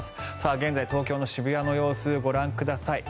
現在の東京・渋谷の様子をご覧ください。